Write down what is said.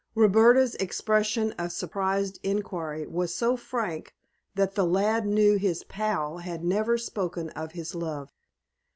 Roberta's expression of surprised inquiry was so frank that the lad knew his pal had never spoken of his love.